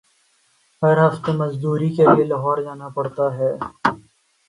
ہر ہفتے مزدوری کیلئے لاہور جانا پڑتا ہے۔